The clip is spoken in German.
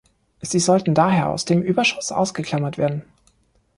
Sie sollten daher aus dem Überschuss ausgeklammert werden.